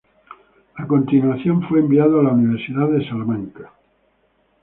A continuación fue enviado a la Universidad de Salamanca.